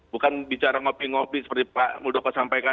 bukan bicara ngopi ngopi seperti pak muldoko sampaikan